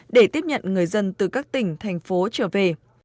để tiếp nhận người dân từ các tỉnh thành phố trở về